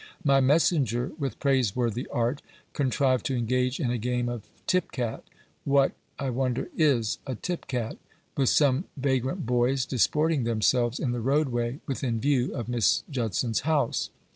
My messenger, with praiseworthy art, contrived to engage in a game of tip cat (what, I wonder, is a tip cat?) with some vagrant boys disporting themselves in the roadway, within view of Miss Judson's house.